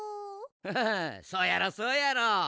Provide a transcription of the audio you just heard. フフフそうやろそうやろ。